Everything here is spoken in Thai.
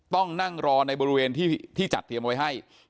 ต้องนั่งรอในบริเวณที่จัดเตรียมไว้ให้